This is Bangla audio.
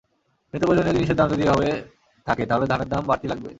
নিত্যপ্রয়োজনীয় জিনিসের দাম যদি এভাবে থাকে, তাহলে ধানের দাম বাড়তি লাগবে।